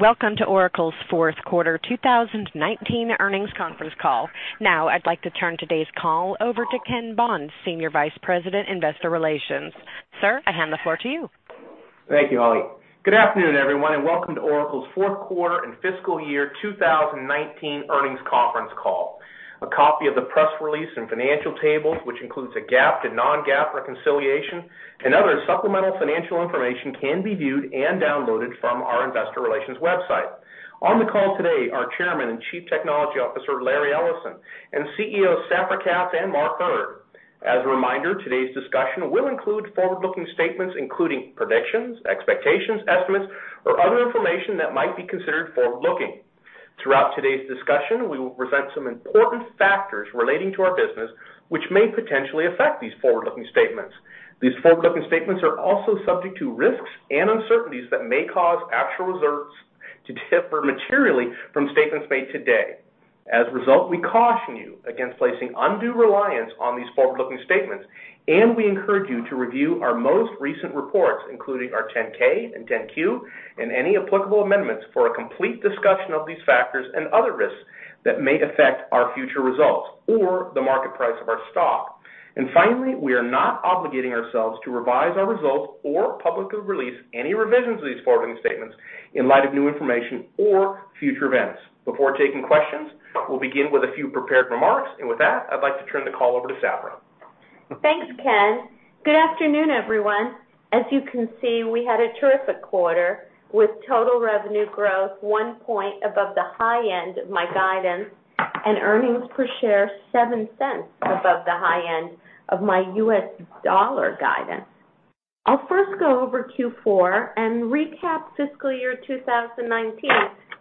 Welcome to Oracle's fourth quarter 2019 earnings conference call. I'd like to turn today's call over to Ken Bond, Senior Vice President, Investor Relations. Sir, I hand the floor to you. Thank you, Holly. Good afternoon, everyone, and welcome to Oracle's fourth quarter and fiscal year 2019 earnings conference call. A copy of the press release and financial tables, which includes a GAAP to non-GAAP reconciliation and other supplemental financial information can be viewed and downloaded from our investor relations website. On the call today are Chairman and Chief Technology Officer, Larry Ellison, and CEOs Safra Catz and Mark Hurd. As a reminder, today's discussion will include forward-looking statements, including predictions, expectations, estimates, or other information that might be considered forward-looking. Throughout today's discussion, we will present some important factors relating to our business, which may potentially affect these forward-looking statements. These forward-looking statements are also subject to risks and uncertainties that may cause actual results to differ materially from statements made today. As a result, we caution you against placing undue reliance on these forward-looking statements, and we encourage you to review our most recent reports, including our 10-K and 10-Q, and any applicable amendments for a complete discussion of these factors and other risks that may affect our future results or the market price of our stock. Finally, we are not obligating ourselves to revise our results or publicly release any revisions of these forward-looking statements in light of new information or future events. Before taking questions, we'll begin with a few prepared remarks. With that, I'd like to turn the call over to Safra. Thanks, Ken. Good afternoon, everyone. As you can see, we had a terrific quarter with total revenue growth one point above the high end of my guidance and earnings per share $0.07 above the high end of my US dollar guidance. I'll first go over Q4 and recap fiscal year 2019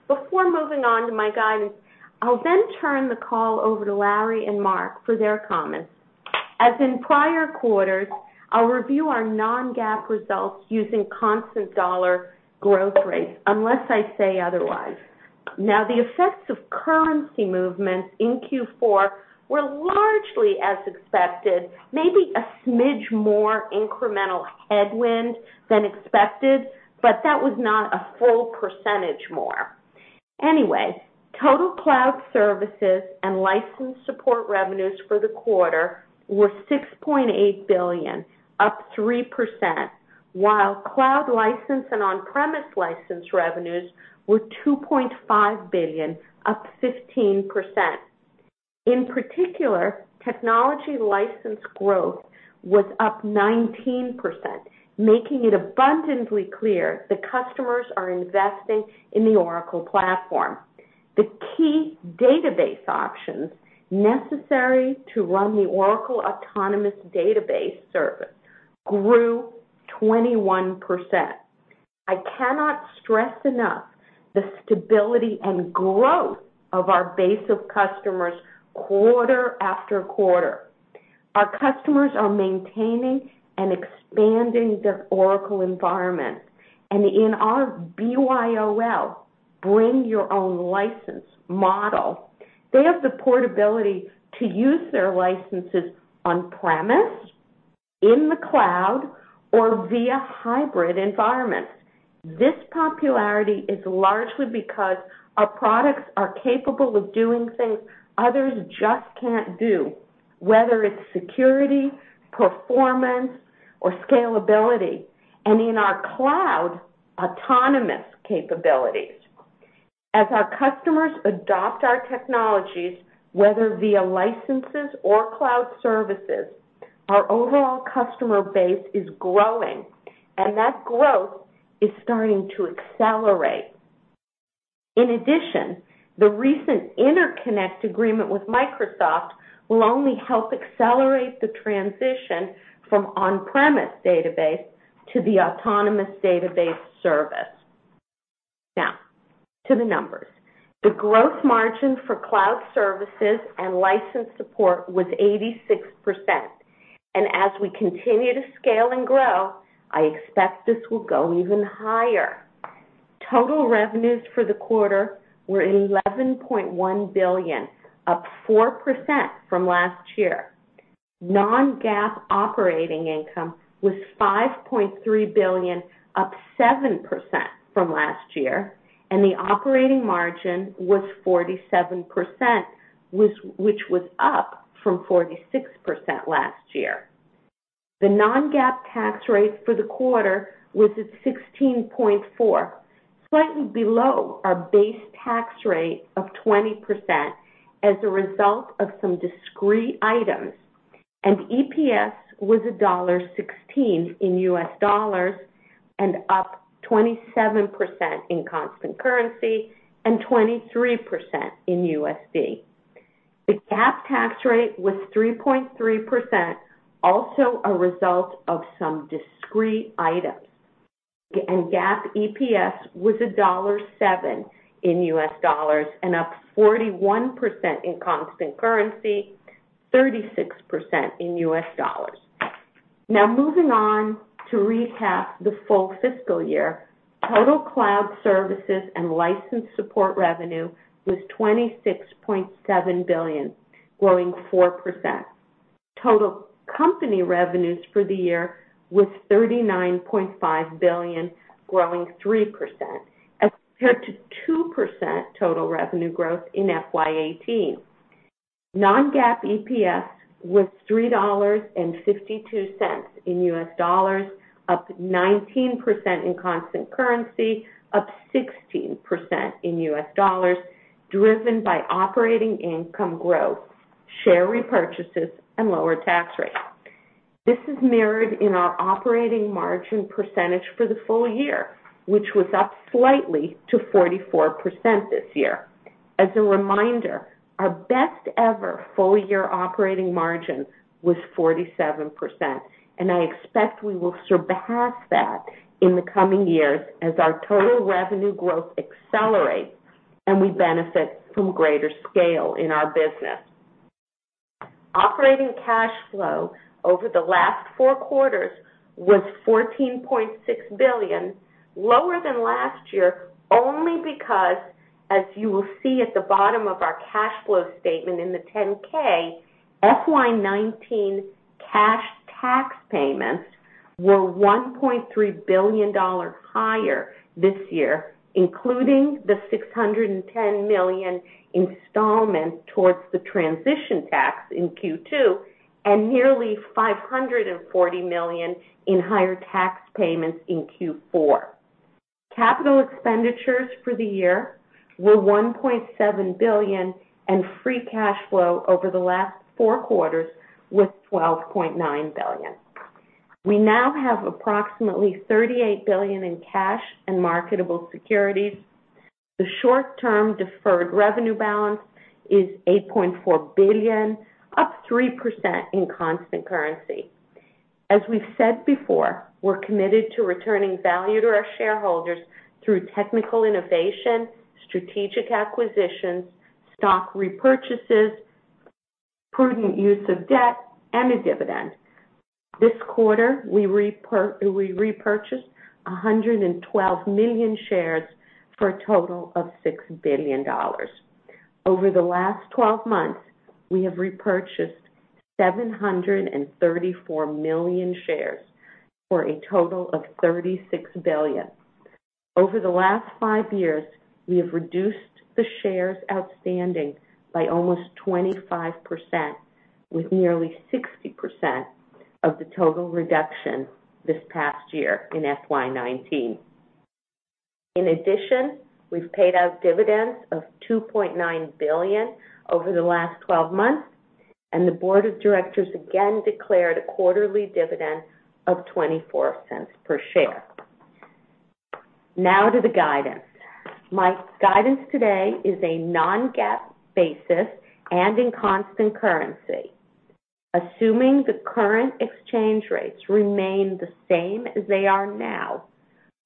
before moving on to my guidance. I'll then turn the call over to Larry and Mark for their comments. As in prior quarters, I'll review our non-GAAP results using constant dollar growth rates unless I say otherwise. The effects of currency movements in Q4 were largely as expected, maybe a smidge more incremental headwind than expected, but that was not a full percentage more. Anyway, total cloud services and license support revenues for the quarter were $6.8 billion, up 3%, while cloud license and on-premise license revenues were $2.5 billion, up 15%. In particular, technology license growth was up 19%, making it abundantly clear that customers are investing in the Oracle platform. The key database options necessary to run the Oracle Autonomous Database Service grew 21%. I cannot stress enough the stability and growth of our base of customers quarter after quarter. Our customers are maintaining and expanding their Oracle environment. In our BYOL, Bring Your Own License model, they have the portability to use their licenses on-premise, in the cloud, or via hybrid environments. This popularity is largely because our products are capable of doing things others just can't do, whether it's security, performance, or scalability, and in our cloud, autonomous capabilities. As our customers adopt our technologies, whether via licenses or cloud services, our overall customer base is growing, and that growth is starting to accelerate. In addition, the recent interconnect agreement with Microsoft will only help accelerate the transition from on-premise database to the Autonomous Database service. Now, to the numbers. The gross margin for cloud services and license support was 86%. As we continue to scale and grow, I expect this will go even higher. Total revenues for the quarter were $11.1 billion, up 4% from last year. Non-GAAP operating income was $5.3 billion, up 7% from last year, and the operating margin was 47%, which was up from 46% last year. The non-GAAP tax rate for the quarter was at 16.4%, slightly below our base tax rate of 20% as a result of some discrete items. EPS was $1.16 in US dollars and up 27% in constant currency and 23% in USD. The GAAP tax rate was 3.3%, also a result of some discrete items. GAAP EPS was $1.07 in US dollars and up 41% in constant currency, 36% in US dollars. Now, moving on to recap the full fiscal year, total cloud services and license support revenue was $26.7 billion, growing 4%. Total company revenues for the year was $39.5 billion, growing 3%, as compared to 2% total revenue growth in FY 2018. Non-GAAP EPS was $3.52 in US dollars, up 19% in constant currency, up 16% in US dollars, driven by operating income growth, share repurchases, and lower tax rates. This is mirrored in our operating margin percentage for the full year, which was up slightly to 44% this year. As a reminder, our best ever full-year operating margin was 47%, and I expect we will surpass that in the coming years as our total revenue growth accelerates and we benefit from greater scale in our business. Operating cash flow over the last four quarters was $14.6 billion, lower than last year, only because, as you will see at the bottom of our cash flow statement in the 10-K, FY 2019 cash tax payments were $1.3 billion higher this year, including the $610 million installment towards the transition tax in Q2 and nearly $540 million in higher tax payments in Q4. Capital expenditures for the year were $1.7 billion, and free cash flow over the last four quarters was $12.9 billion. We now have approximately $38 billion in cash and marketable securities. The short-term deferred revenue balance is $8.4 billion, up 3% in constant currency. As we've said before, we're committed to returning value to our shareholders through technical innovation, strategic acquisitions, stock repurchases, prudent use of debt, and a dividend. This quarter, we repurchased 112 million shares for a total of $6 billion. Over the last 12 months, we have repurchased 734 million shares for a total of $36 billion. Over the last five years, we have reduced the shares outstanding by almost 25%, with nearly 60% of the total reduction this past year in FY 2019. In addition, we've paid out dividends of $2.9 billion over the last 12 months, and the board of directors again declared a quarterly dividend of $0.24 per share. Now to the guidance. My guidance today is a non-GAAP basis and in constant currency. Assuming the current exchange rates remain the same as they are now,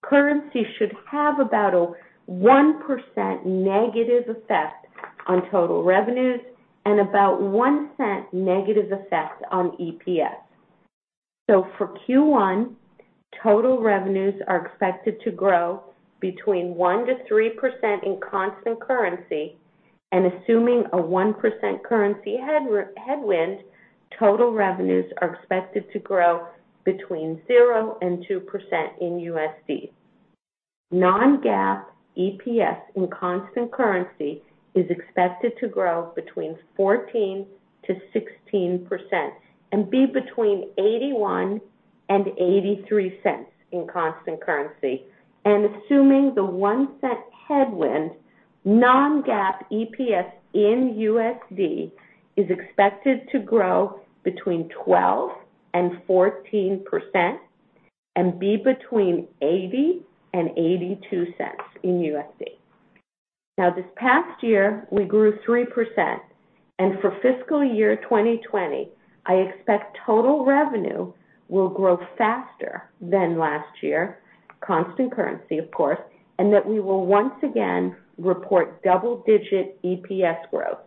currency should have about a 1% negative effect on total revenues and about a $0.01 negative effect on EPS. For Q1, total revenues are expected to grow between 1%-3% in constant currency, and assuming a 1% currency headwind, total revenues are expected to grow between 0% and 2% in USD. Non-GAAP EPS in constant currency is expected to grow between 14%-16% and be between $0.81 and $0.83 in constant currency. Assuming the $0.01 headwind, non-GAAP EPS in USD is expected to grow between 12% and 14% and be between $0.80 and $0.82 in USD. This past year, we grew 3%, and for fiscal year 2020, I expect total revenue will grow faster than last year, constant currency, of course, and that we will once again report double-digit EPS growth.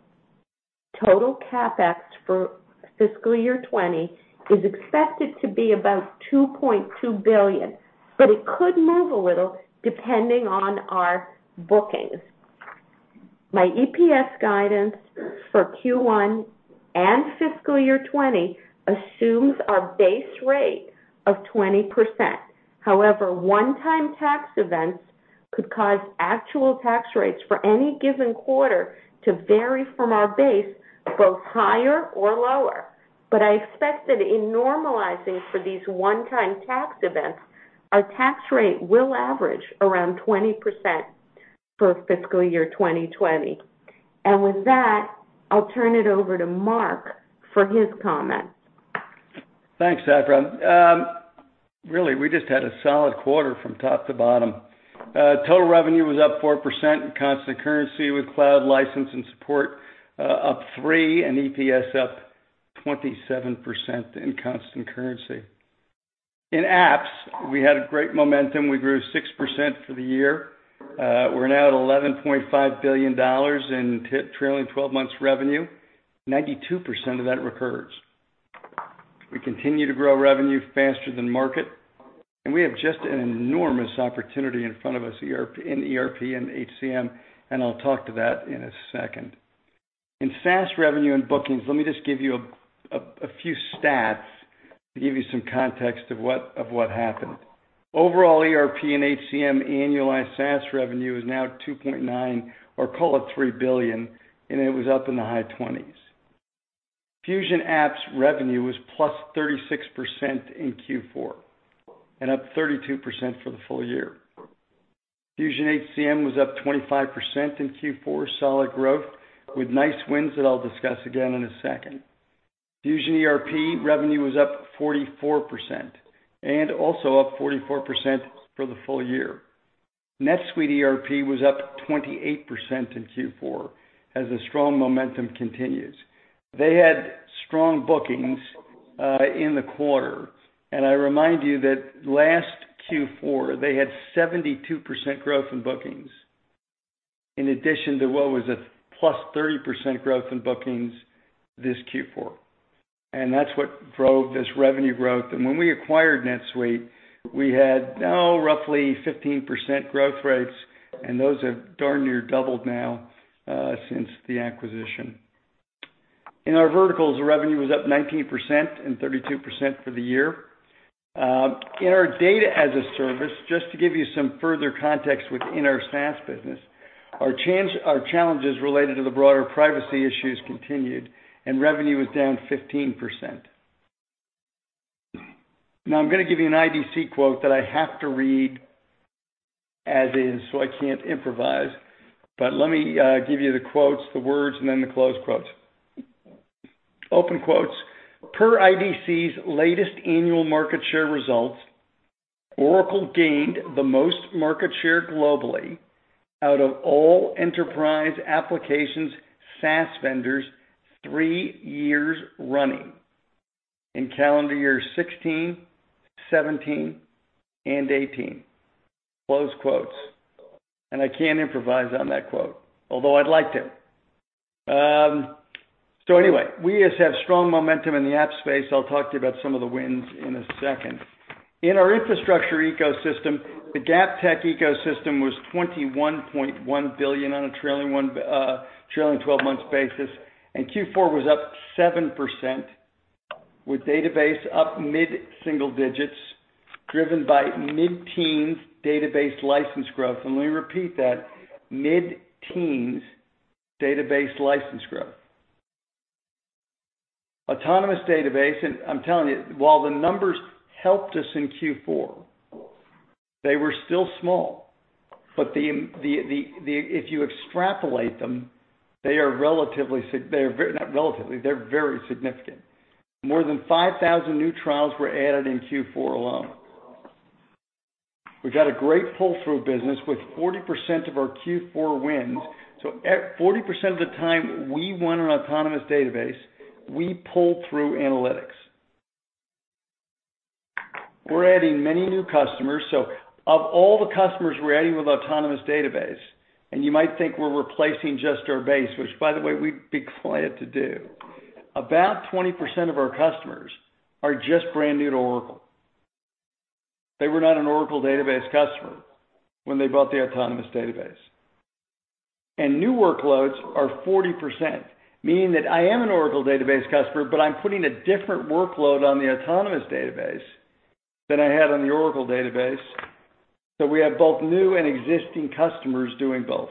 Total CapEx for fiscal year 2020 is expected to be about $2.2 billion, but it could move a little depending on our bookings. My EPS guidance for Q1 and fiscal year 2020 assumes a base rate of 20%. However, one-time tax events could cause actual tax rates for any given quarter to vary from our base, both higher or lower. I expect that in normalizing for these one-time tax events, our tax rate will average around 20% for fiscal year 2020. With that, I'll turn it over to Mark for his comments. Thanks, Safra. We just had a solid quarter from top to bottom. Total revenue was up 4% in constant currency with cloud license and support up 3% and EPS up 27% in constant currency. In apps, we had great momentum. We grew 6% for the year. We're now at $11.5 billion in trailing 12 months revenue. 92% of that recurs. We continue to grow revenue faster than market. And we have just an enormous opportunity in front of us in ERP and HCM, and I'll talk to that in a second. In SaaS revenue and bookings, let me just give you a few stats to give you some context of what happened. Overall, ERP and HCM annualized SaaS revenue is now $2.9 billion or call it $3 billion, and it was up in the high 20s. Fusion Apps revenue was +36% in Q4 and +32% for the full year. Fusion HCM was up 25% in Q4, solid growth, with nice wins that I'll discuss again in a second. Fusion ERP revenue was up 44% and also up 44% for the full year. NetSuite ERP was up 28% in Q4 as the strong momentum continues. They had strong bookings in the quarter. I remind you that last Q4, they had 72% growth in bookings in addition to what was a +30% growth in bookings this Q4, and that's what drove this revenue growth. When we acquired NetSuite, we had roughly 15% growth rates, and those have darn near doubled now since the acquisition. In our verticals, the revenue was up 19% and 32% for the year. In our Data as a Service, just to give you some further context within our SaaS business, our challenges related to the broader privacy issues continued, and revenue was down 15%. I'm going to give you an IDC quote that I have to read as is, so I can't improvise. Let me give you the quotes, the words, and then the close quotes. Open quotes, "Per IDC's latest annual market share results, Oracle gained the most market share globally out of all enterprise applications SaaS vendors three years running in calendar years 2016, 2017, and 2018." Close quotes. I can't improvise on that quote, although I'd like to. Anyway, we just have strong momentum in the app space. I'll talk to you about some of the wins in a second. In our infrastructure ecosystem, the core tech ecosystem was $21.1 billion on a trailing 12-month basis, and Q4 was up 7%, with database up mid-single digits driven by mid-teens database license growth. Let me repeat that, mid-teens database license growth. Autonomous Database, I'm telling you, while the numbers helped us in Q4, they were still small. If you extrapolate them, they're very significant. More than 5,000 new trials were added in Q4 alone. We've got a great pull-through business with 40% of our Q4 wins. At 40% of the time we won on Autonomous Database, we pulled through analytics. We're adding many new customers, of all the customers we're adding with Autonomous Database, you might think we're replacing just our base, which by the way, we'd be glad to do. About 20% of our customers are just brand new to Oracle. They were not an Oracle Database customer when they bought the Autonomous Database. New workloads are 40%, meaning that I am an Oracle Database customer, I'm putting a different workload on the Autonomous Database than I had on the Oracle Database. We have both new and existing customers doing both.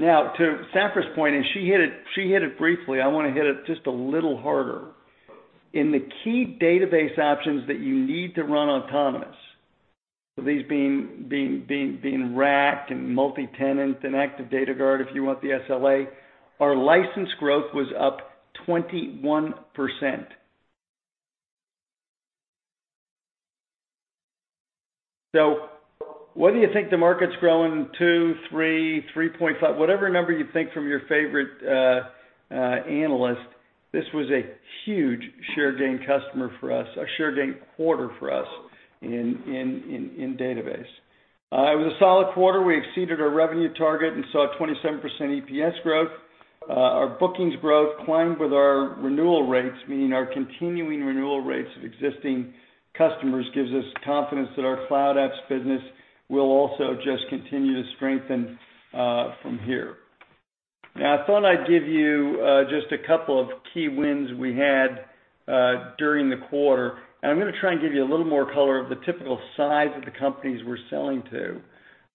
To Safra's point, she hit it briefly, I want to hit it just a little harder. In the key database options that you need to run Autonomous Database, these being RAC and multitenant and Active Data Guard, if you want the SLA, our license growth was up 21%. Whether you think the market's growing two, three, 3.5, whatever number you think from your favorite analyst, this was a huge share gain quarter for us in database. It was a solid quarter. We exceeded our revenue target and saw a 27% EPS growth. Our bookings growth climbed with our renewal rates, meaning our continuing renewal rates of existing customers gives us confidence that our cloud apps business will also just continue to strengthen from here. Now, I thought I'd give you just 2 key wins we had during the quarter. I'm going to try and give you a little more color of the typical size of the companies we're selling to.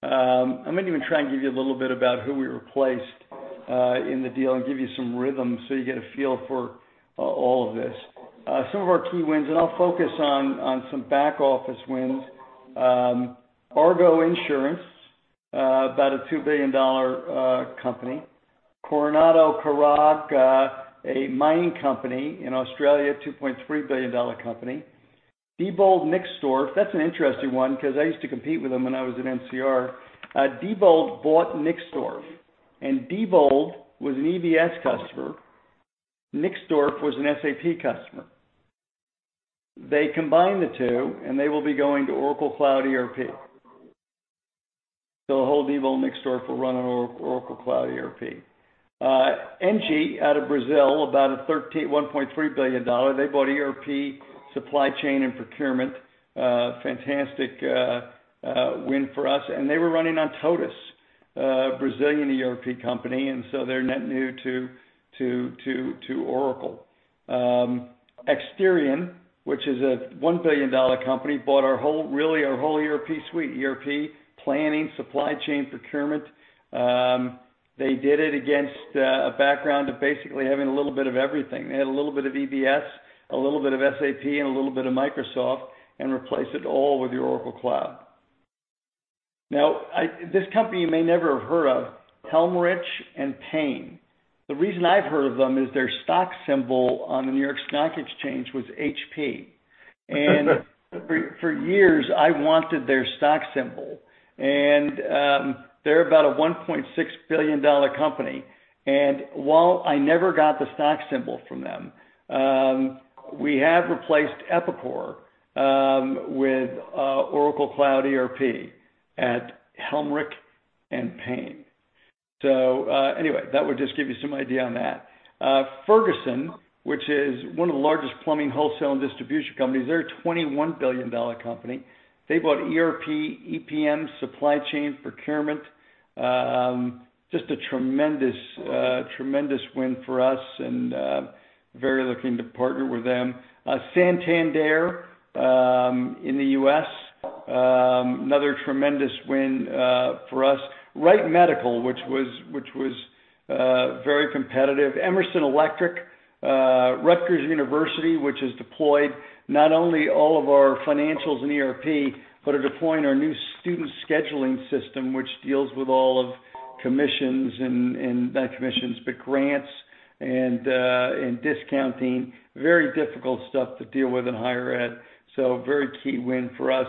I'm going to even try and give you a little bit about who we replaced in the deal and give you some rhythm so you get a feel for all of this. Some of our key wins, I'll focus on some back-office wins. Argo Group, about a $2 billion company. Coronado Global Resources, a mining company in Australia, a $2.3 billion company. Diebold Nixdorf, that's an interesting one because I used to compete with them when I was at NCR. Diebold bought Nixdorf, Diebold was an EBS customer. Nixdorf was an SAP customer. They combined the 2, they will be going to Oracle Cloud ERP. Diebold Nixdorf for running Oracle Cloud ERP. ENGIE out of Brazil, about a $1.3 billion. They bought ERP supply chain and procurement. Fantastic win for us. They were running on TOTVS, Brazilian ERP company. They're net new to Oracle. Exterion, which is a $1 billion company, bought really our whole ERP suite, ERP planning, supply chain procurement. They did it against a background of basically having a little bit of everything. They had a little bit of EBS, a little bit of SAP, a little bit of Microsoft, replaced it all with the Oracle Cloud. This company you may never have heard of, Helmerich & Payne. The reason I've heard of them is their stock symbol on the New York Stock Exchange was HP. For years, I wanted their stock symbol. They're about a $1.6 billion company. While I never got the stock symbol from them, we have replaced Epicor with Oracle Cloud ERP at Helmerich & Payne. Anyway, that would just give you some idea on that. Ferguson, which is one of the largest plumbing wholesale and distribution companies, they're a $21 billion company. They bought ERP, EPM, supply chain procurement. Just a tremendous win for us, very lucky to partner with them. Santander in the U.S., another tremendous win for us. Wright Medical, which was very competitive. Emerson Electric, Rutgers University, which has deployed not only all of our financials and ERP, but are deploying our new student scheduling system, which deals with all of not commissions, but grants and discounting. Very difficult stuff to deal with in higher ed, very key win for us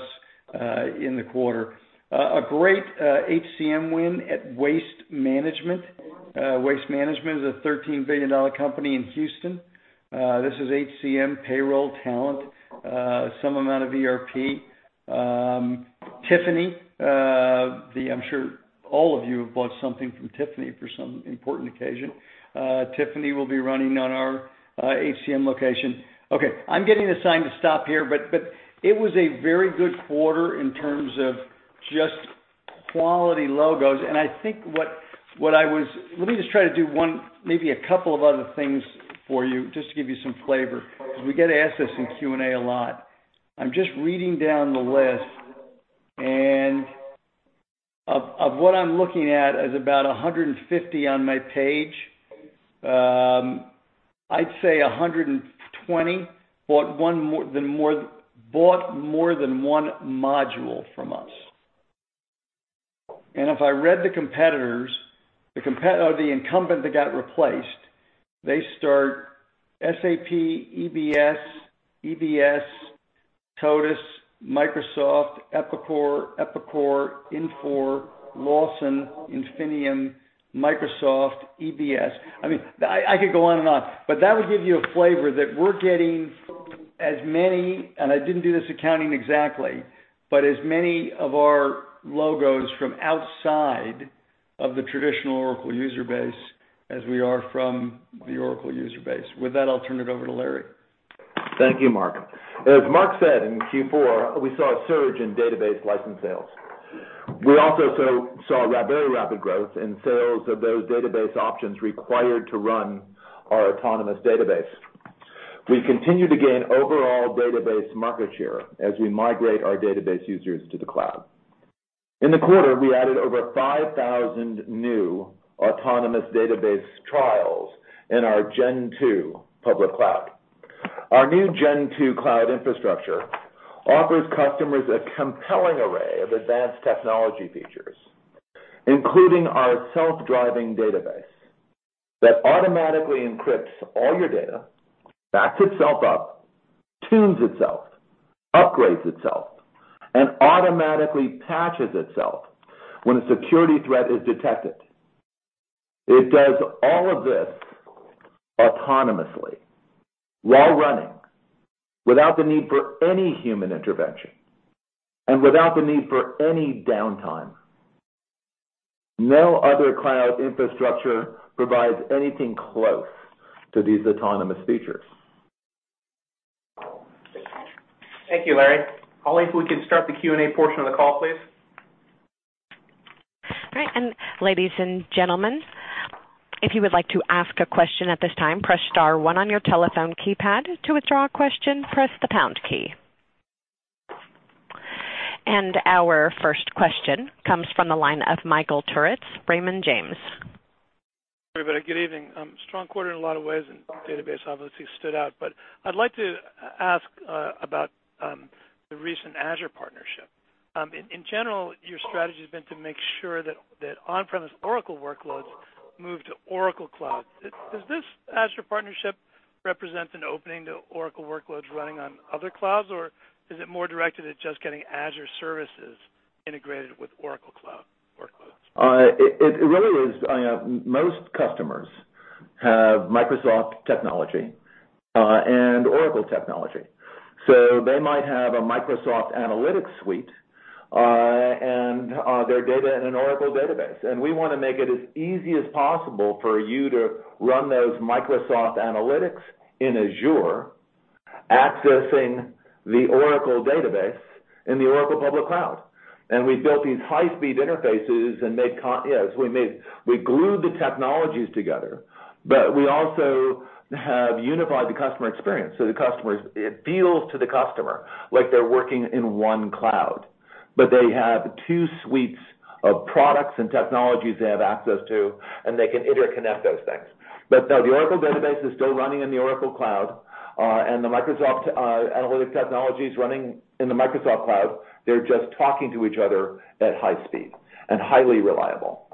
in the quarter. A great HCM win at Waste Management. Waste Management is a $13 billion company in Houston. This is HCM payroll talent, some amount of ERP. Tiffany, I'm sure all of you have bought something from Tiffany for some important occasion. Tiffany will be running on our HCM location. I'm getting the sign to stop here, it was a very good quarter in terms of just quality logos. Let me just try to do one, maybe 2 other things for you, just to give you some flavor, because we get asked this in Q&A a lot. I'm just reading down the list, of what I'm looking at as about 150 on my page, I'd say 120 bought more than one module from us. If I read the competitors, or the incumbent that got it replaced, they start SAP, EBS, TOTVS, Microsoft, Epicor, Infor, Lawson, Infinium, Microsoft, EBS. I could go on and on, but that would give you a flavor that we're getting as many, and I didn't do this accounting exactly, but as many of our logos from outside of the traditional Oracle user base as we are from the Oracle user base. With that, I'll turn it over to Larry. Thank you, Mark. As Mark said, in Q4, we saw a surge in database license sales. We also saw very rapid growth in sales of those database options required to run our autonomous database. We continue to gain overall database market share as we migrate our database users to the cloud. In the quarter, we added over 5,000 new autonomous database trials in our Gen Two public cloud. Our new Gen Two cloud infrastructure offers customers a compelling array of advanced technology features, including our self-driving database that automatically encrypts all your data, backs itself up, tunes itself, upgrades itself, and automatically patches itself when a security threat is detected. It does all of this autonomously while running, without the need for any human intervention and without the need for any downtime. No other cloud infrastructure provides anything close to these autonomous features. Thank you, Larry. Holly, if we can start the Q&A portion of the call, please. All right. Ladies and gentlemen, if you would like to ask a question at this time, press star one on your telephone keypad. To withdraw a question, press the pound key. Our first question comes from the line of Michael Turits, Raymond James. Everybody, good evening. Strong quarter in a lot of ways, and database obviously stood out, but I'd like to ask about the recent Azure partnership. In general, your strategy has been to make sure that on-premises Oracle workloads move to Oracle Cloud. Does this Azure partnership represent an opening to Oracle workloads running on other clouds, or is it more directed at just getting Azure services integrated with Oracle Cloud? It really is. Most customers have Microsoft technology and Oracle technology. They might have a Microsoft analytics suite and their data in an Oracle Database. We want to make it as easy as possible for you to run those Microsoft analytics in Azure, accessing the Oracle Database in the Oracle public cloud. We've built these high-speed interfaces, and we glued the technologies together. We also have unified the customer experience, so it feels to the customer like they're working in one cloud, but they have two suites of products and technologies they have access to, and they can interconnect those things. No, the Oracle Database is still running in the Oracle Cloud, and the Microsoft analytic technology is running in the Microsoft cloud. They're just talking to each other at high speed and highly reliable.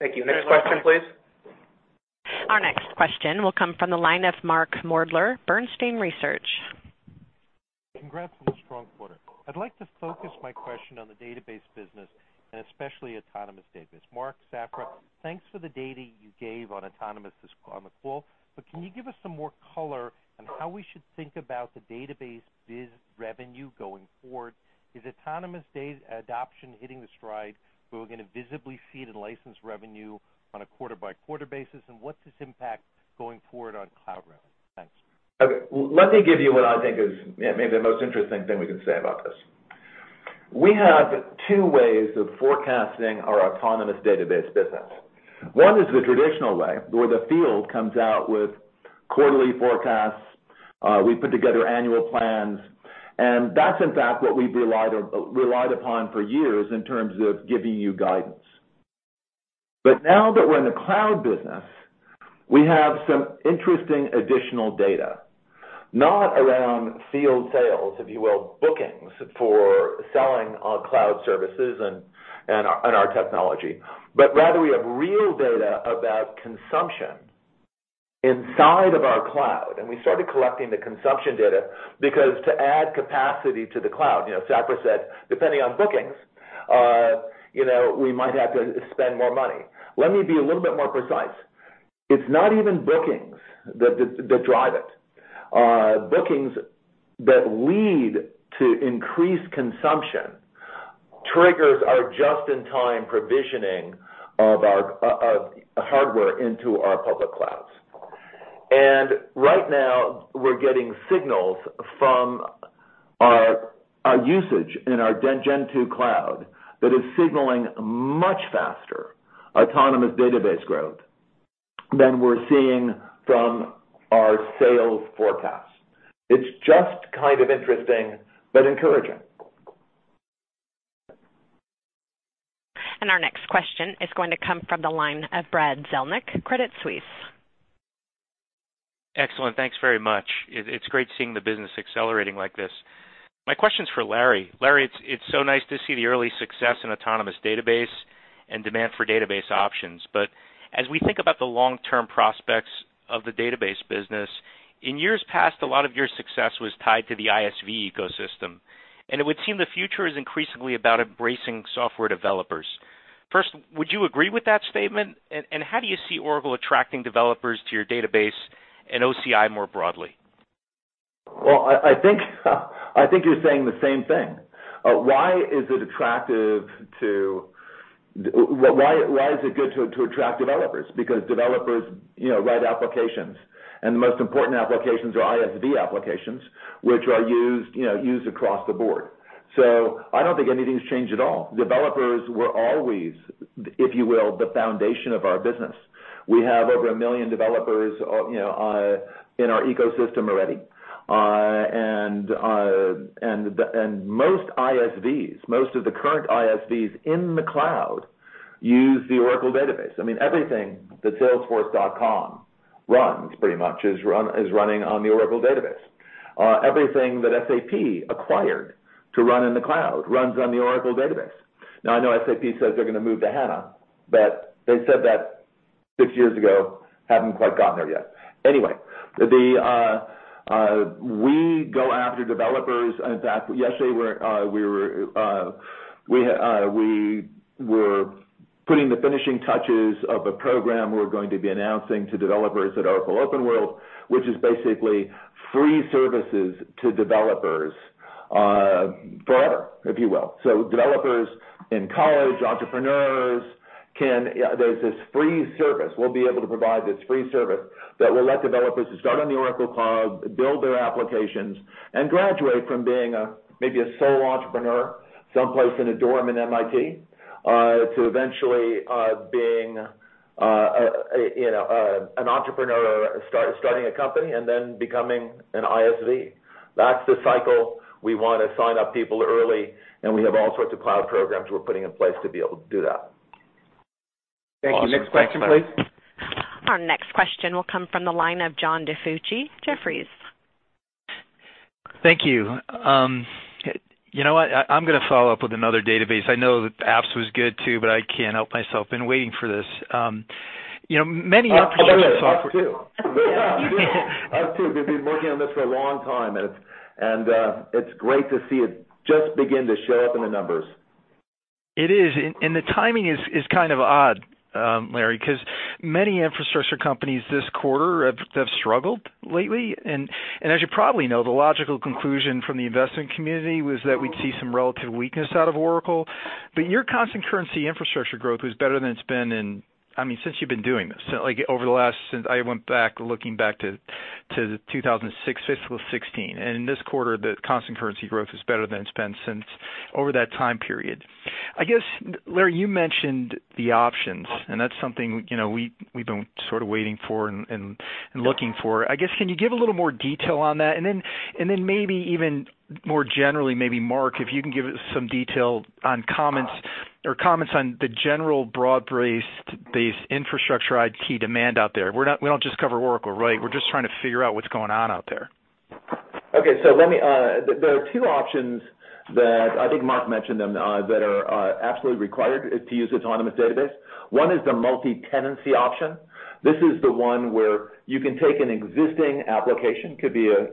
Thank you. Next question, please. Our next question will come from the line of Mark Moerdler, Bernstein Research. Congrats on the strong quarter. I'd like to focus my question on the database business and especially autonomous database. Mark, Safra, thanks for the data you gave on autonomous on the call. Can you give us some more color on how we should think about the database biz revenue going forward? Is autonomous adoption hitting the stride where we're going to visibly see it in licensed revenue on a quarter-by-quarter basis? What's its impact going forward on cloud revenue? Thanks. Okay. Let me give you what I think is maybe the most interesting thing we can say about this. We have two ways of forecasting our autonomous database business. One is the traditional way, where the field comes out with quarterly forecasts. We put together annual plans, and that's in fact what we've relied upon for years in terms of giving you guidance. Now that we're in the cloud business, we have some interesting additional data, not around field sales, if you will, bookings for selling on cloud services and our technology, but rather, we have real data about consumption inside of our cloud. We started collecting the consumption data because to add capacity to the cloud, Safra said, depending on bookings, we might have to spend more money. Let me be a little bit more precise. It's not even bookings that drive it. Bookings that lead to increased consumption triggers our just-in-time provisioning of hardware into our public clouds. Right now, we're getting signals from our usage in our Gen 2 Cloud that is signaling much faster autonomous database growth than we're seeing from our sales forecast. It's just kind of interesting, but encouraging. Our next question is going to come from the line of Brad Zelnick, Credit Suisse. Excellent. Thanks very much. It's great seeing the business accelerating like this. My question's for Larry. Larry, it's so nice to see the early success in Oracle Autonomous Database and demand for database options. As we think about the long-term prospects of the database business, in years past, a lot of your success was tied to the ISV ecosystem, and it would seem the future is increasingly about embracing software developers. First, would you agree with that statement? How do you see Oracle attracting developers to your database and OCI more broadly? Well, I think you're saying the same thing. Why is it good to attract developers? Developers write applications, and the most important applications are ISV applications, which are used across the board. I don't think anything's changed at all. Developers were always, if you will, the foundation of our business. We have over a million developers in our ecosystem already. Most ISVs, most of the current ISVs in the cloud use the Oracle Database. Everything that salesforce.com runs pretty much is running on the Oracle Database. Everything that SAP acquired to run in the cloud runs on the Oracle Database. I know SAP says they're going to move to HANA, they said that six years ago, haven't quite gotten there yet. We go after developers. In fact, yesterday we were putting the finishing touches of a program we're going to be announcing to developers at Oracle OpenWorld, which is basically free services to developers forever, if you will. Developers in college, entrepreneurs, there's this free service. We'll be able to provide this free service that will let developers start on the Oracle Cloud, build their applications, and graduate from being maybe a sole entrepreneur someplace in a dorm in MIT to eventually being an entrepreneur starting a company and then becoming an ISV. That's the cycle. We want to sign up people early, we have all sorts of cloud programs we're putting in place to be able to do that. Thank you. Next question, please. Our next question will come from the line of John DiFucci, Jefferies. Thank you. You know what? I'm going to follow up with another database. I know that apps was good too, but I can't help myself. Been waiting for this. Oh, yeah, us too. We've been working on this for a long time, and it's great to see it just begin to show up in the numbers. It is. The timing is kind of odd, Larry, because many infrastructure companies this quarter have struggled lately. As you probably know, the logical conclusion from the investment community was that we'd see some relative weakness out of Oracle. Your constant currency infrastructure growth was better than it's been in, I mean, since you've been doing this. Like over the last since, I went back looking back to 2016, fiscal 2016. In this quarter, the constant currency growth is better than it's been since over that time period. I guess, Larry, you mentioned the options, and that's something we've been sort of waiting for and looking for. I guess, can you give a little more detail on that? Maybe even more generally, maybe Mark, if you can give some detail on comments on the general broad-based infrastructure IT demand out there. We don't just cover Oracle, right? We're just trying to figure out what's going on out there. Okay. There are two options that I think Mark mentioned them, that are absolutely required to use Autonomous Database. One is the multitenant option. This is the one where you can take an existing application, could be an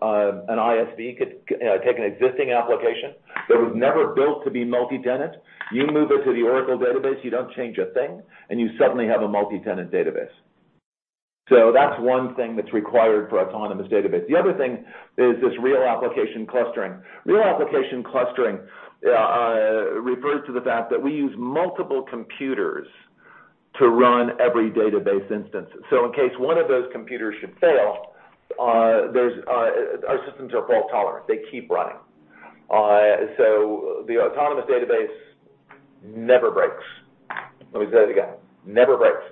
ISV, could take an existing application that was never built to be multitenant. You move it to the Oracle Database, you don't change a thing, and you suddenly have a multitenant database. That's one thing that's required for Autonomous Database. The other thing is this Real Application Clusters. Real Application Clusters refers to the fact that we use multiple computers to run every database instance. In case one of those computers should fail, our systems are fault-tolerant. They keep running. The Autonomous Database never breaks. Let me say that again. Never breaks.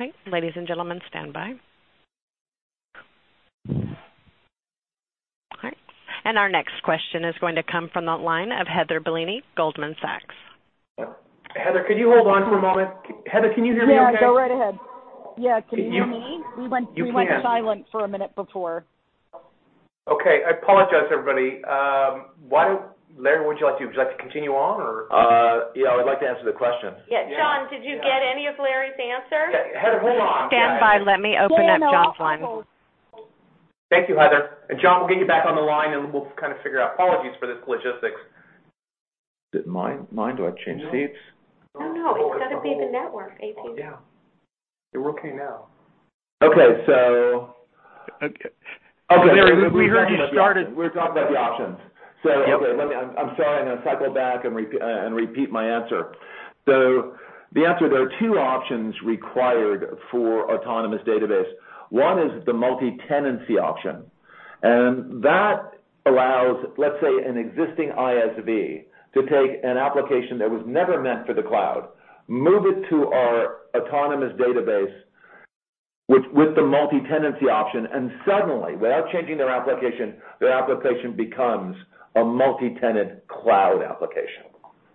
Our best Okay, ladies and gentlemen, stand by. All right. Our next question is going to come from the line of Heather Bellini, Goldman Sachs. Heather, could you hold on for a moment? Heather, can you hear me okay? Yeah, go right ahead. You- Yeah, can you hear me? You can. We went silent for a minute before. Okay. I apologize, everybody. Larry, would you like to continue on. Yeah, I would like to answer the question. Yeah. John, did you get any of Larry's answer? Heather, hold on. Stand by. Let me open up John's line. Yeah, no, I'm hold. Thank you, Heather. John, we'll get you back on the line, and we'll kind of figure out. Apologies for this logistics. Is it mine? Do I change seats? No, it's got to be the network, AP. Oh, yeah. We're okay now. Okay. Okay. We heard you started. We were talking about the options. Okay. Yep. I'm sorry, I'm going to cycle back and repeat my answer. The answer, there are two options required for autonomous database. One is the multitenant option. That allows, let's say, an existing ISV to take an application that was never meant for the cloud, move it to our autonomous database with the multitenant option, and suddenly, without changing their application, their application becomes a multitenant cloud application.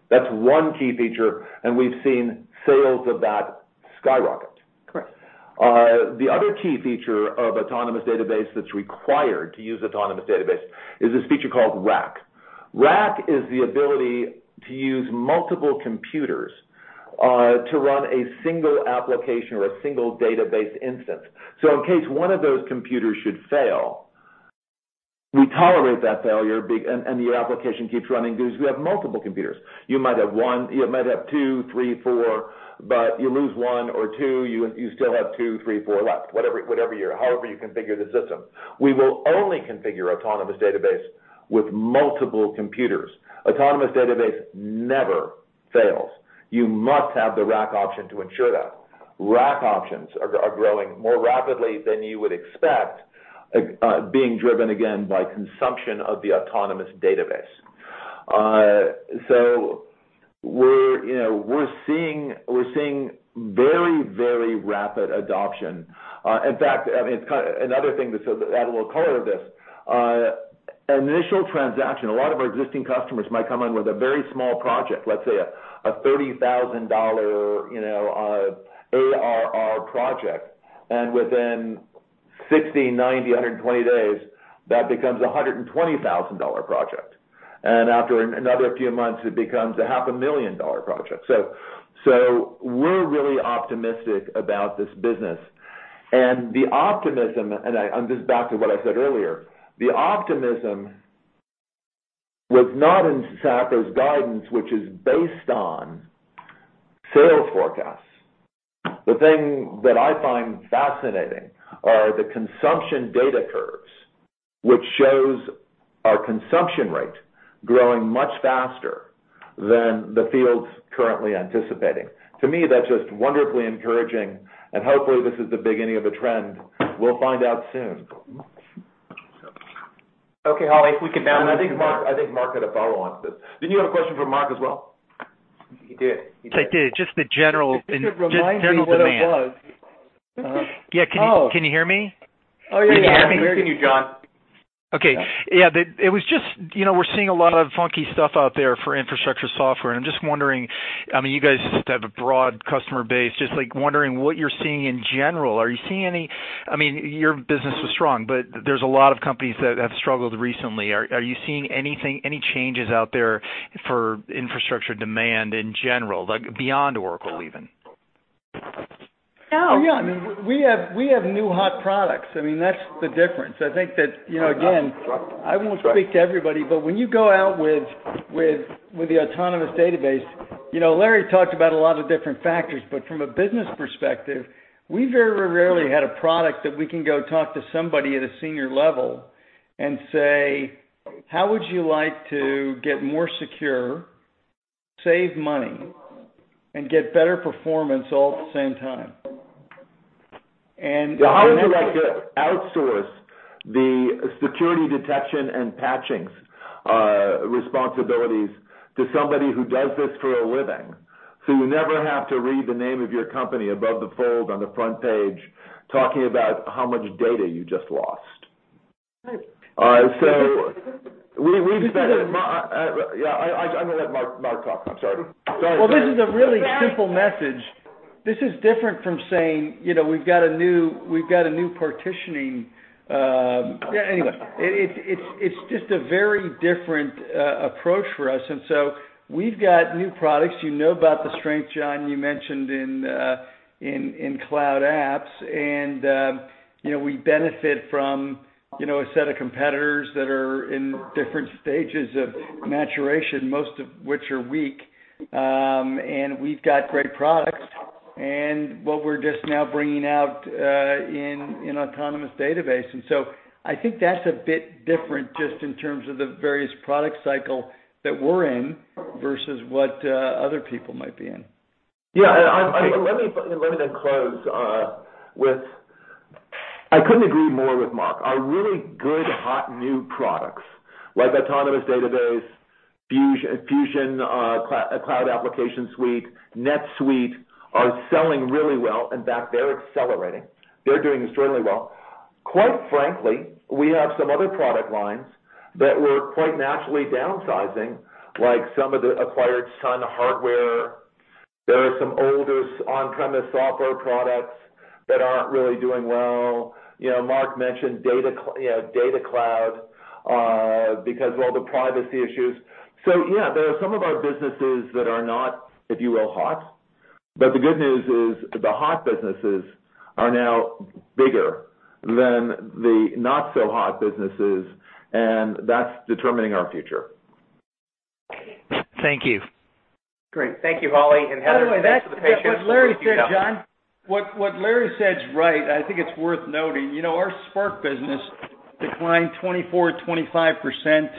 That's one key feature, and we've seen sales of that skyrocket. Correct. The other key feature of autonomous database that's required to use autonomous database is this feature called RAC. RAC is the ability to use multiple computers to run a single application or a single database instance. In case one of those computers should fail, we tolerate that failure, and the application keeps running because we have multiple computers. You might have one, you might have two, three, four, but you lose one or two, you still have two, three, four left. However, you configure the system. We will only configure autonomous database with multiple computers. Autonomous database never fails. You must have the RAC option to ensure that. RAC options are growing more rapidly than you would expect, being driven, again, by consumption of the autonomous database. We're seeing very, very rapid adoption. In fact, I mean, it's kind of another thing that's add a little color to this. Initial transaction, a lot of our existing customers might come in with a very small project, let's say a $30,000 ARR project. Within 60, 90, 120 days, that becomes a $120,000 project. After another few months, it becomes a half a million dollar project. We're really optimistic about this business. The optimism, and this is back to what I said earlier, the optimism was not in SAP's guidance, which is based on sales forecasts. The thing that I find fascinating are the consumption data curves, which shows our consumption rate growing much faster than the field currently anticipating. To me, that's just wonderfully encouraging, and hopefully, this is the beginning of a trend. We'll find out soon. Okay, Holly, if we could now move to Mark. I think Mark had a follow on to this. Didn't you have a question for Mark as well? He did. I did. Just the general demand. If you could remind me what it was. Yeah. Can you hear me? Oh, yeah. I can hear you, John. Okay. Yeah, we're seeing a lot of funky stuff out there for infrastructure software, and I'm just wondering, you guys just have a broad customer base, just wondering what you're seeing in general. Your business is strong, but there's a lot of companies that have struggled recently. Are you seeing any changes out there for infrastructure demand in general, beyond Oracle even? Oh, yeah. We have new hot products. That's the difference. I think that, again, I won't speak to everybody, but when you go out with the Oracle Autonomous Database, Larry talked about a lot of different factors, but from a business perspective, we very rarely had a product that we can go talk to somebody at a senior level and say, "How would you like to get more secure, save money, and get better performance all at the same time? How would you like to outsource the security detection and patching responsibilities to somebody who does this for a living, so you never have to read the name of your company above the fold on the front page talking about how much data you just lost? Right. I'm going to let Mark talk. I'm sorry. Go ahead, Mark. Well, this is a really simple message. This is different from saying, we've got a new partitioning. Yeah, anyway. It's just a very different approach for us. We've got new products. You know about the strength, John, you mentioned in cloud apps. We benefit from a set of competitors that are in different stages of maturation, most of which are weak. We've got great products, what we're just now bringing out in Oracle Autonomous Database. I think that's a bit different just in terms of the various product cycle that we're in versus what other people might be in. Let me close with, I couldn't agree more with Mark. Our really good, hot, new products like Autonomous Database, Fusion Cloud Application Suite, NetSuite, are selling really well. In fact, they're accelerating. They're doing extremely well. Quite frankly, we have some other product lines that we're quite naturally downsizing, like some of the acquired Sun Hardware. There are some older on-premise software products that aren't really doing well. Mark mentioned Data Cloud because of all the privacy issues. There are some of our businesses that are not, if you will, hot. The good news is the hot businesses are now bigger than the not-so-hot businesses, and that's determining our future. Thank you. Great. Thank you, Holly, Heather, thanks for the patience. By the way, what Larry said, John, what Larry said is right. I think it's worth noting. Our SPARC business declined 24%, 25%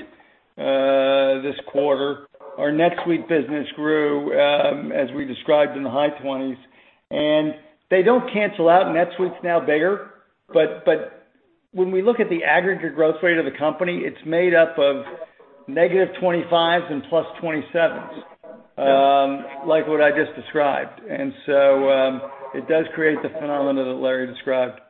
this quarter. Our NetSuite business grew, as we described, in the high 20s. They don't cancel out. NetSuite's now bigger, when we look at the aggregate growth rate of the company, it's made up of negative 25s and plus 27s, like what I just described. It does create the phenomenon that Larry described.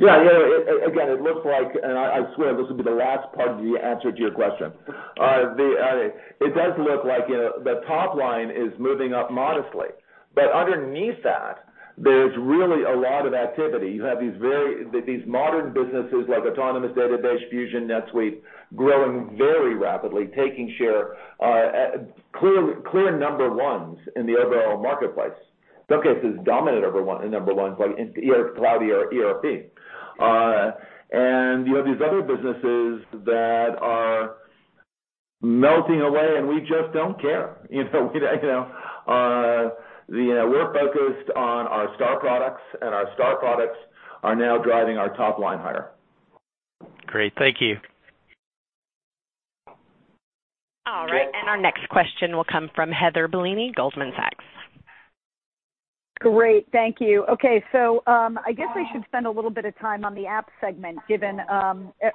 Yeah. Again, it looks like, and I swear this will be the last part of the answer to your question. It does look like the top line is moving up modestly, but underneath that, there's really a lot of activity. You have these modern businesses like Oracle Autonomous Database, Fusion, NetSuite, growing very rapidly, taking share, clear number ones in the overall marketplace. Some cases, dominant number ones like cloud ERP. You have these other businesses that are melting away, and we just don't care. We're focused on our star products, and our star products are now driving our top line higher. Great. Thank you. All right. Our next question will come from Heather Bellini, Goldman Sachs. Great. Thank you. Okay. I guess I should spend a little bit of time on the app segment, given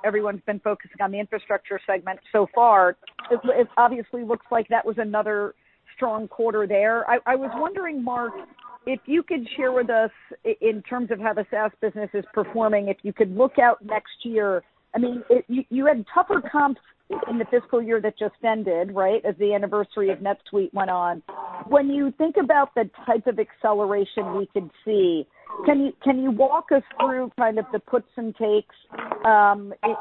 everyone's been focusing on the infrastructure segment so far. It obviously looks like that was another strong quarter there. I was wondering, Mark, if you could share with us, in terms of how the SaaS business is performing, if you could look out next year. You had tougher comps in the fiscal year that just ended, right? As the anniversary of NetSuite went on. When you think about the type of acceleration we could see, can you walk us through kind of the puts and takes,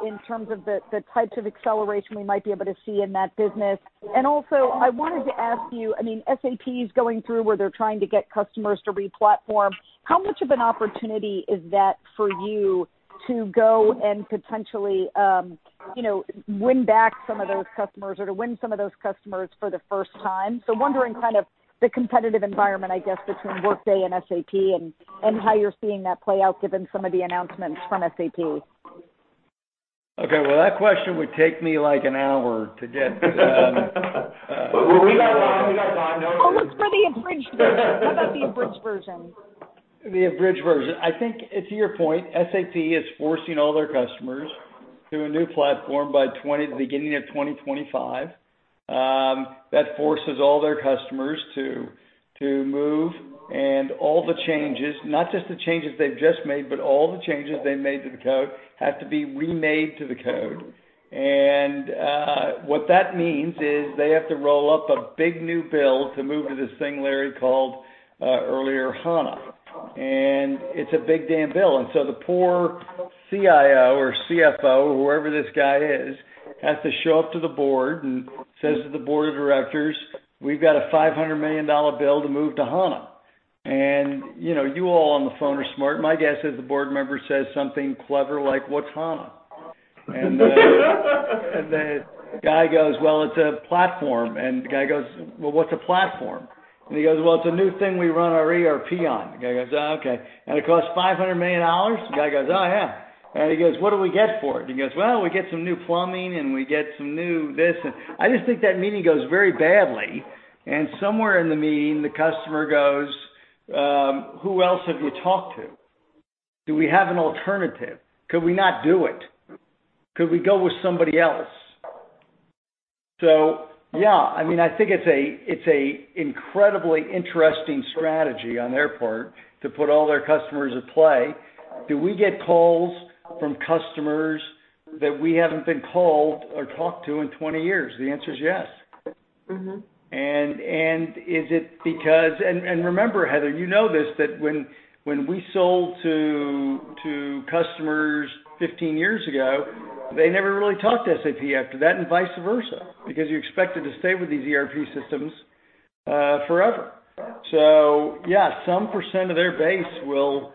in terms of the types of acceleration we might be able to see in that business? Also, I wanted to ask you, SAP's going through where they're trying to get customers to re-platform. How much of an opportunity is that for you to go and potentially win back some of those customers or to win some of those customers for the first time? Wondering kind of the competitive environment, I guess, between Workday and SAP, and how you're seeing that play out given some of the announcements from SAP. Okay. Well, that question would take me like an hour to get- We got time. No, we got time. Well, let's try the abridged version. How about the abridged version? The abridged version. I think to your point, SAP is forcing all their customers to a new platform by the beginning of 2025. That forces all their customers to move, and all the changes, not just the changes they've just made, but all the changes they made to the code have to be remade to the code. What that means is they have to roll up a big new bill to move to this thing Larry called earlier, HANA. It's a big damn bill. The poor CIO or CFO, whoever this guy is, has to show up to the board and says to the board of directors, "We've got a $500 million bill to move to HANA." You all on the phone are smart. My guess is the board member says something clever like, "What's HANA?" The guy goes, "Well, it's a platform." The guy goes, "Well, what's a platform?" He goes, "Well, it's a new thing we run our ERP on." The guy goes, "Oh, okay. It costs $500 million?" The guy goes, "Oh, yeah." He goes, "What do we get for it?" He goes, "Well, we get some new plumbing, and we get some new this and" I just think that meeting goes very badly. Somewhere in the meeting, the customer goes, "Who else have you talked to? Do we have an alternative? Could we not do it? Could we go with somebody else?" Yeah. I think it's a incredibly interesting strategy on their part to put all their customers at play. Do we get calls from customers that we haven't been called or talked to in 20 years? The answer is yes. Is it because Remember, Heather, you know this, that when we sold to customers 15 years ago, they never really talked to SAP after that, and vice versa, because you're expected to stay with these ERP systems forever. Yeah, some % of their base will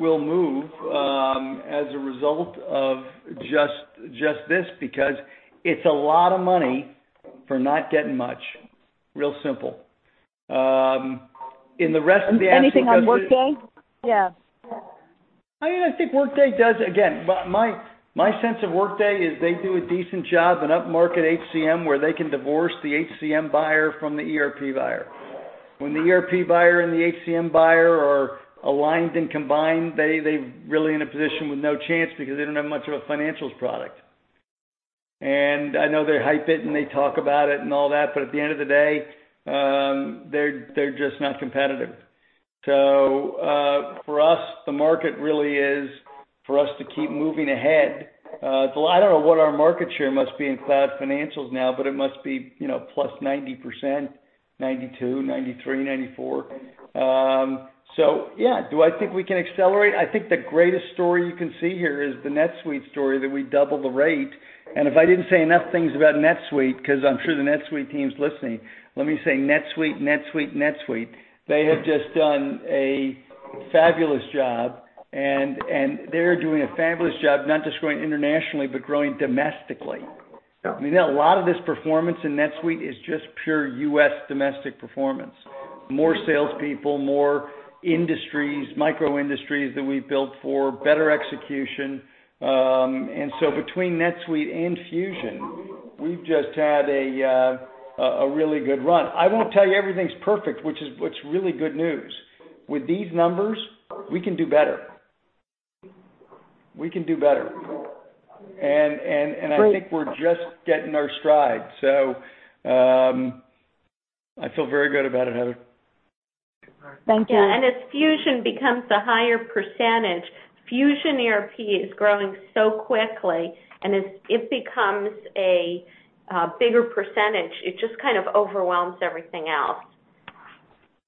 move, as a result of just this, because it's a lot of money for not getting much. Real simple. Anything on Workday? Yeah. I think Workday does. Again, my sense of Workday is they do a decent job in upmarket HCM, where they can divorce the HCM buyer from the ERP buyer. When the ERP buyer and the HCM buyer are aligned and combined, they're really in a position with no chance because they don't have much of a financials product. I know they hype it, and they talk about it and all that, but at the end of the day, they're just not competitive. For us, the market really is for us to keep moving ahead. I don't know what our market share must be in cloud financials now, but it must be plus 90%, 92%, 93%, 94%. Yeah. Do I think we can accelerate? I think the greatest story you can see here is the NetSuite story, that we doubled the rate. If I didn't say enough things about NetSuite, because I'm sure the NetSuite team's listening, let me say NetSuite, NetSuite. They have just done a fabulous job, and they're doing a fabulous job not just growing internationally, but growing domestically. Yeah. I mean, a lot of this performance in NetSuite is just pure U.S. domestic performance. More salespeople, more industries, micro industries that we've built for better execution. Between NetSuite and Fusion, we've just had a really good run. I won't tell you everything's perfect, which is what's really good news. With these numbers, we can do better. We can do better. Great. I think we're just getting our stride. I feel very good about it, Heather. Thank you. As Fusion becomes a higher percentage, Fusion ERP is growing so quickly, as it becomes a bigger percentage, it just kind of overwhelms everything else.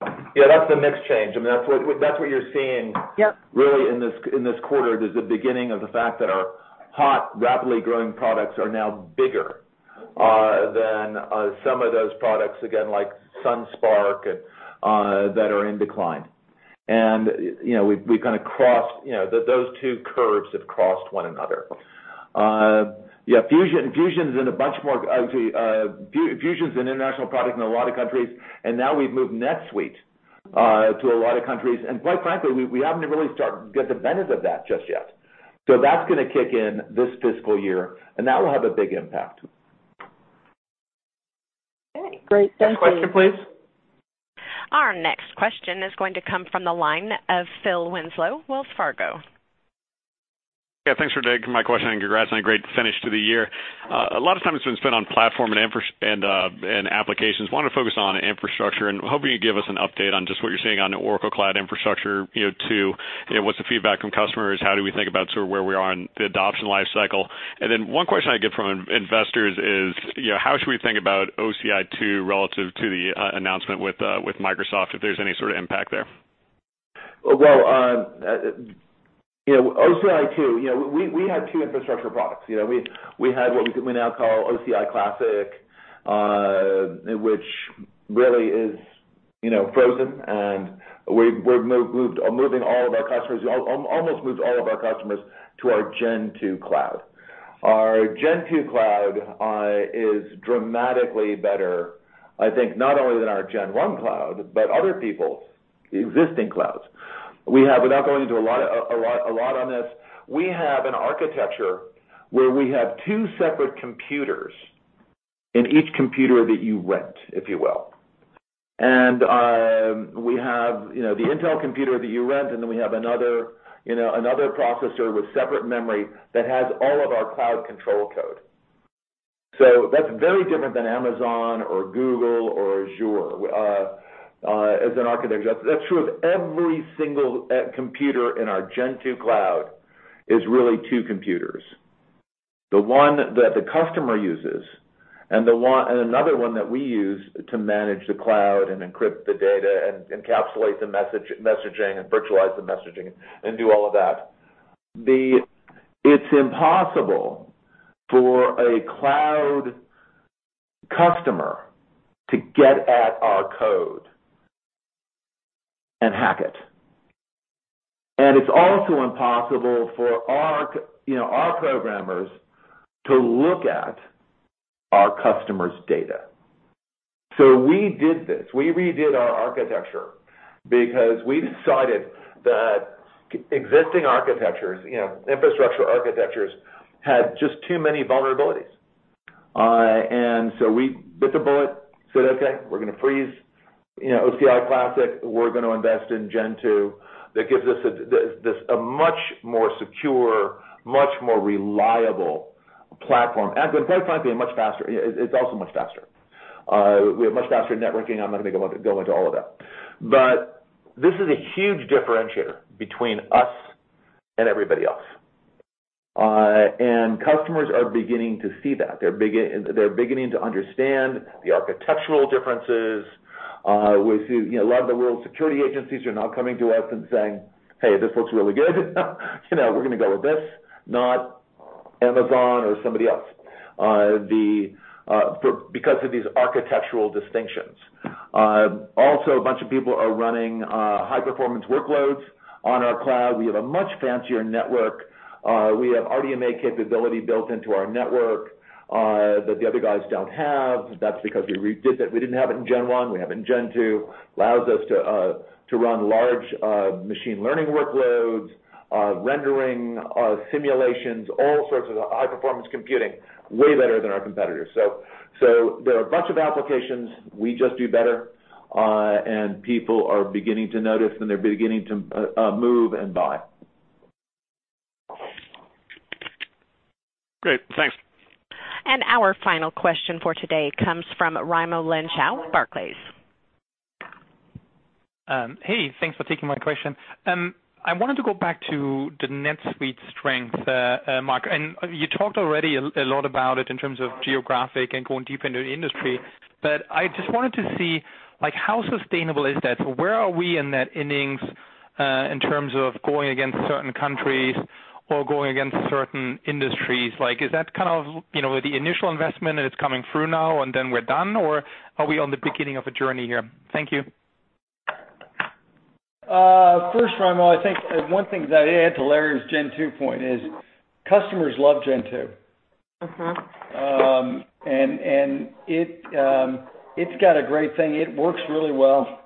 That's the mix change. I mean, that's what you're seeing. Yep really in this quarter, is the beginning of the fact that our hot, rapidly growing products are now bigger than some of those products, again, like Sun SPARC and, that are in decline. We've kind of crossed, those two curves have crossed one another. Yeah. Fusion's an international product in a lot of countries, and now we've moved NetSuite to a lot of countries. Quite frankly, we haven't really started to get the benefit of that just yet. That's gonna kick in this fiscal year, and that will have a big impact. Okay. Great. Thank you. Next question, please. Our next question is going to come from the line of Phil Winslow, Wells Fargo. Thanks for taking my question, and congrats on a great finish to the year. A lot of time has been spent on platform and applications. Wanted to focus on infrastructure and hoping you could give us an update on just what you're seeing on Oracle Cloud Infrastructure, what's the feedback from customers? How do we think about sort of where we are in the adoption life cycle? One question I get from investors is, how should we think about OCI 2 relative to the announcement with Microsoft, if there's any sort of impact there? Well, OCI 2, we had two infrastructure products. We had what we now call OCI Classic, which really is frozen, and we're moving all of our customers, almost moved all of our customers to our Gen 2 Cloud. Our Gen 2 Cloud is dramatically better, I think, not only than our Gen 1 Cloud, but other people's existing clouds. Without going into a lot on this, we have an architecture where we have two separate computers in each computer that you rent, if you will. We have the Intel computer that you rent, we have another processor with separate memory that has all of our cloud control code. That's very different than Amazon or Google or Azure, as an architecture. That's true of every single computer in our Gen 2 Cloud is really two computers. The one that the customer uses, and another one that we use to manage the cloud and encrypt the data and encapsulate the messaging and virtualize the messaging and do all of that. It's impossible for a cloud customer to get at our code and hack it. It's also impossible for our programmers to look at our customers' data. We did this. We redid our architecture because we decided that existing architectures, infrastructure architectures, had just too many vulnerabilities. We bit the bullet, said, "Okay, we're going to freeze OCI Classic. We're going to invest in Gen 2." That gives us a much more secure, much more reliable platform. Quite frankly, it's also much faster. We have much faster networking. I'm not going to go into all of that. This is a huge differentiator between us and everybody else. Customers are beginning to see that. They're beginning to understand the architectural differences. We see a lot of the world's security agencies are now coming to us and saying, "Hey, this looks really good. We're going to go with this, not Amazon or somebody else," because of these architectural distinctions. Also, a bunch of people are running high-performance workloads on our cloud. We have a much fancier network. We have RDMA capability built into our network that the other guys don't have. That's because we redid it. We didn't have it in Gen 1. We have it in Gen 2. Allows us to run large machine learning workloads, rendering simulations, all sorts of high-performance computing way better than our competitors. There are a bunch of applications we just do better, and people are beginning to notice, and they're beginning to move and buy. Great. Thanks. Our final question for today comes from Raimo Lenschow, Barclays. Hey, thanks for taking my question. I wanted to go back to the NetSuite strength, Mark. You talked already a lot about it in terms of geographic and going deep into the industry, but I just wanted to see, how sustainable is that? Where are we in that innings in terms of going against certain countries or going against certain industries? Is that kind of the initial investment, and it's coming through now and then we're done, or are we on the beginning of a journey here? Thank you. First, Raimo, I think one thing that I'd add to Larry's Gen 2 point is customers love Gen 2. It's got a great thing. It works really well.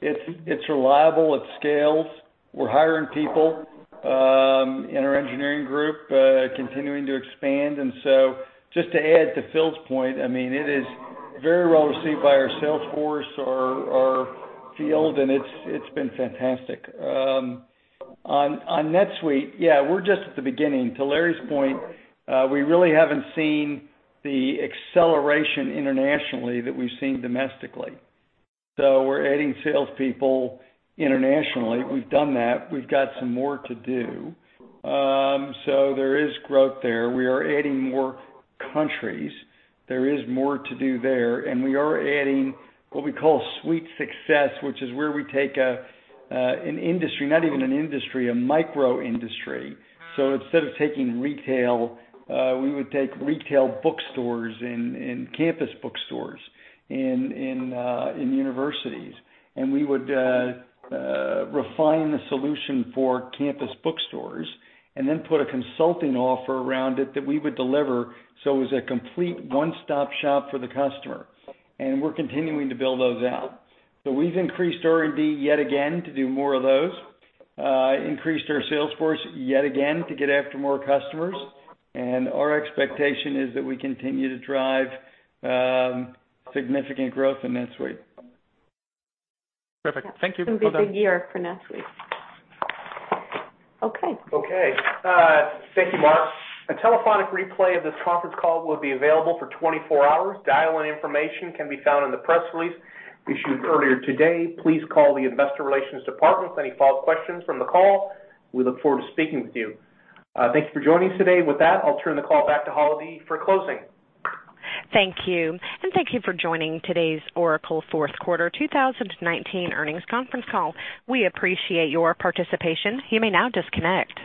It's reliable. It scales. We're hiring people in our engineering group, continuing to expand. Just to add to Phil's point, it is very well-received by our sales force, our field, and it's been fantastic. On NetSuite, yeah, we're just at the beginning. To Larry's point, we really haven't seen the acceleration internationally that we've seen domestically. We're adding salespeople internationally. We've done that. We've got some more to do. There is growth there. We are adding more countries. There is more to do there. We are adding what we call SuiteSuccess, which is where we take an industry, not even an industry, a micro-industry. Instead of taking retail, we would take retail bookstores and campus bookstores in universities. We would refine the solution for campus bookstores and put a consulting offer around it that we would deliver, so it was a complete one-stop shop for the customer. We're continuing to build those out. We've increased R&D yet again to do more of those, increased our sales force yet again to get after more customers. Our expectation is that we continue to drive significant growth in NetSuite. Perfect. Thank you. It's going to be a big year for NetSuite. Okay. Okay. Thank you, Mark. A telephonic replay of this conference call will be available for 24 hours. Dial-in information can be found in the press release issued earlier today. Please call the investor relations department with any follow-up questions from the call. We look forward to speaking with you. Thank you for joining us today. With that, I'll turn the call back to Holly for closing. Thank you, thank you for joining today's Oracle Fourth Quarter 2019 Earnings Conference Call. We appreciate your participation. You may now disconnect.